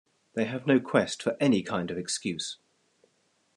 They have no quest for any kind of excuse.